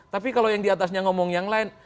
tapi kalau yang di atasnya ngomong yang lain